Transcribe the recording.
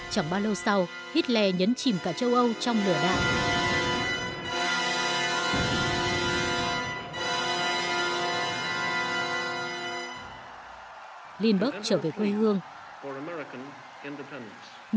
chẳng bao lâu sau hitler nhấn chìm cả châu âu trong lửa đạn